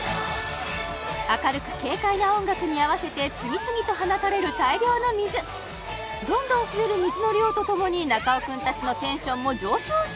明るく軽快な音楽に合わせて次々と放たれる大量の水どんどん増える水の量とともに中尾君たちのテンションも上昇中！